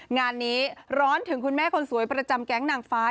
งานนี้ร้อนถึงคุณแม่คนสวยประจำแก๊งนางฟ้า